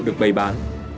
được bày bán